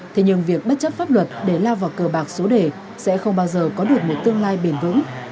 thế nhưng việc bất chấp pháp luật để lao vào cờ bạc số đề sẽ không bao giờ có được một tương lai bền vững